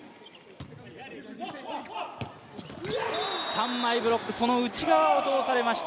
三枚ブロックその内側を通されました